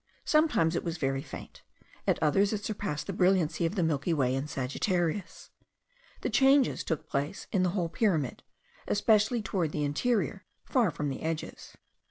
Sometimes it was very faint, at others it surpassed the brilliancy of the Milky Way in Sagittarius. The changes took place in the whole pyramid, especially toward the interior, far from the edges.